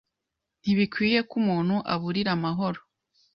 Ntibikwiye ko umuntu aburira amahoro